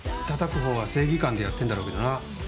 たたくほうは正義感でやってるんだろうけどな。